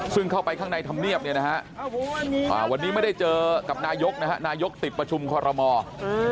ซึ่งเข้าไปข้างในธรรมเนียบเนี่ยนะฮะวันนี้ไม่ได้เจอกับนายกนะฮะนายกติดประชุมคอรมอล์